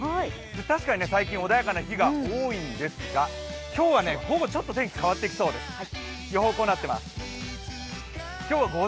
確かに最近、穏やかな日が多いんですが今日は午後ちょっと天気変わってきそうです。